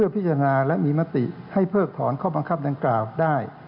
พิจารณาและมีมติให้เพิกถอนข้อบังคับดังกล่าวได้